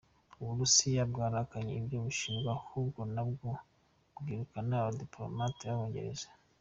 U Burusiya bwahakanye ibyo bushinjwa ahubwo nabwo bwirukana abadipolomate b’Abongereza.